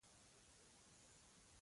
وژنه د خوښیو له منځه وړل دي